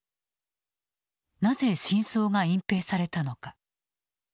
なぜ真相が隠蔽されたのか。